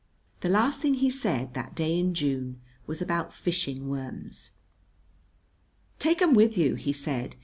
The last thing he said that day in June was about fishing worms. "Take 'em with you," he said.